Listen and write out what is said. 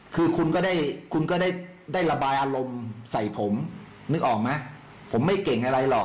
คือคุณก็ได้ระบายอารมณ์ใส่ผมนึกออกมั้ย